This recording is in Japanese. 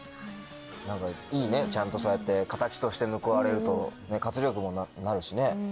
何かいいねちゃんとそうやって形として報われると活力にもなるしね。